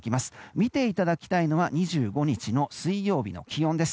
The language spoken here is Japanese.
見ていただきたいのは２５日の水曜日の気温です。